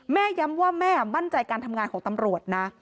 ย้ำว่าแม่มั่นใจการทำงานของตำรวจนะ